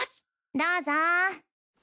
どうぞ。